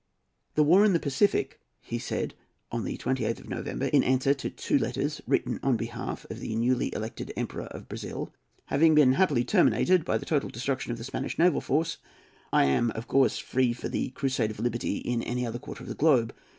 "The war in the Pacific," he said, on the 29th of November, in answer to two letters written on behalf of the newly elected Emperor of Brazil, "having been happily terminated by the total destruction of the Spanish naval force, I am, of course, free for the crusade of liberty in any other quarter of the globe.